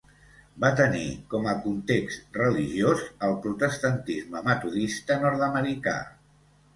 Va tenir com a context religiós el protestantisme metodista nord-americà.